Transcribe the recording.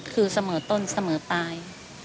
คือเสมอต้นสำหรับตาย